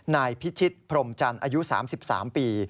นายพิชิตพรมจันทร์อายุ๓๓ปี